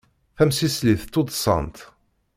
Tamsislit tuddsant.